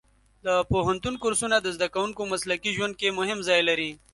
د پوهنتون کورسونه د زده کوونکو مسلکي ژوند کې مهم ځای لري.